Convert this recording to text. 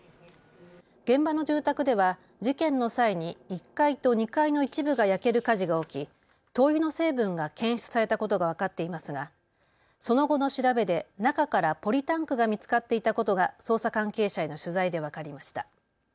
現場の住宅では事件の際に１階と２階の一部が焼ける火事が起き、灯油の成分が検出されたことが分かっていますがその後の調べで中からポリタンクが見つかっていたことが捜査関係者への取材で分かりました。